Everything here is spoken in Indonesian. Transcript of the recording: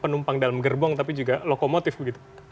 penumpang dalam gerbong tapi juga lokomotif begitu